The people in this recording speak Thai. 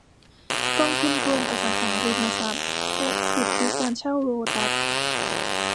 กองทุนรวมอสังหาริมทรัพย์และสิทธิการเช่าโลตัสส์